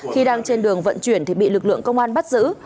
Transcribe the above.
khi đang trên đường vận chuyển thì bị lực lượng công an bắt giữ